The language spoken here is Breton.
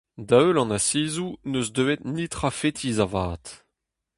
Da-heul an asizoù n'eus deuet netra fetis avat.